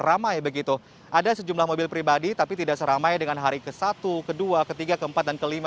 ada sejumlah mobil pribadi tapi tidak seramai dengan hari ke satu ke dua ke tiga ke empat dan ke lima